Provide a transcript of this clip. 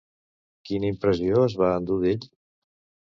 Quina impressió es va endur d'ell?